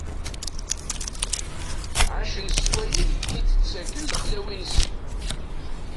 Ɛacen s wayen i d-ttakken lexlawi-nsen.